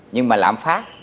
nhưng mà lạng phát